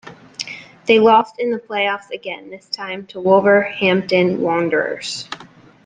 They lost in the play-offs again, this time to Wolverhampton Wanderers.